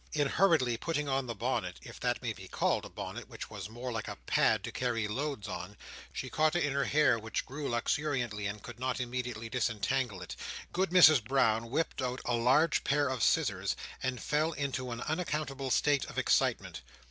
In hurriedly putting on the bonnet, if that may be called a bonnet which was more like a pad to carry loads on, she caught it in her hair which grew luxuriantly, and could not immediately disentangle it. Good Mrs Brown whipped out a large pair of scissors, and fell into an unaccountable state of excitement.